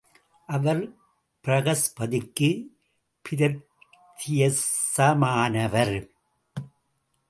அவர் பிரஹஸ்பதிக்கு பிரத்யக்ஷமானவர்.